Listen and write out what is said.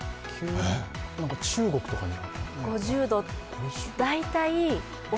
中国とかに？